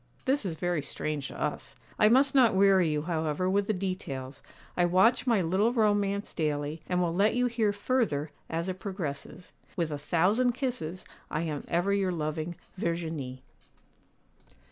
This is very strange to us. I must not weary you, however, with the details. I watch my little romance daily, and will let you hear further as it progresses. 'With a thousand kisses, I am ever your loving 'VERGINIE.